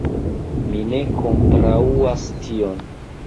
Mi ne kontraŭas tion.